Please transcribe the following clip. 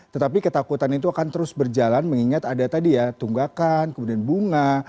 tetapi ketakutan itu akan terus berjalan mengingat ada tadi ya tunggakan kemudian bunga